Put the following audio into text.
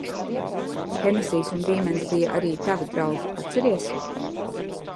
Henesijs un Bīmens bija arī tavi draugi, atceries?